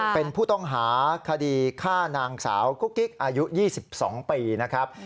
เป็นผู้ต้องหาคดีฆ่านางสาวกุ๊กกิ๊กอายุ๒๒ปีนะครับ